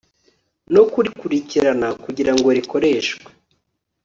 no kurikurikirana kugira ngo rikoreshwe